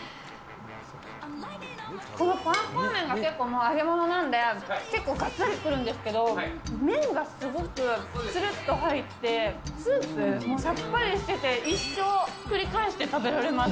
このパーコー麺が結構揚げ物なので、結構がっつり来るんですけど、麺がすごくつるっと入って、スープもさっぱりしてて、一生繰り返して食べられます。